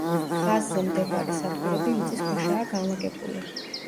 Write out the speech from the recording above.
ხაზზე მდებარე სადგურები მიწის ქვეშაა განლაგებული.